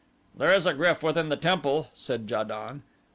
"There is a GRYF within the temple," said Ja don.